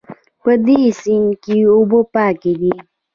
په دې سیند کې اوبه پاکې دي